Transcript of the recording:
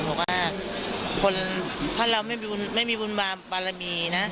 บอกว่าคนถ้าเราไม่มีบุญบารมีนะ